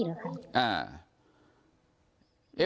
ถ้าพี่